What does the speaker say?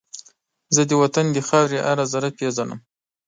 زه د وطن د خاورې هر زره پېژنم